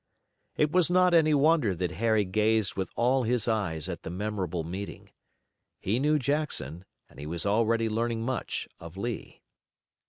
It was not any wonder that Harry gazed with all his eyes at the memorable meeting. He knew Jackson, and he was already learning much of Lee.